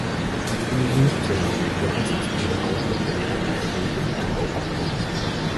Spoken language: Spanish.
Asimismo se la obligó a asistir a otro funeral diferente al de la familia.